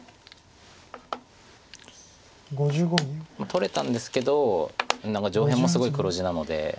取れたんですけど何か上辺もすごい黒地なので。